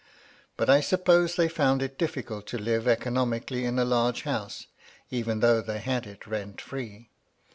But I suppose they found it difficult to live economically in a large house, even though they had it rent free.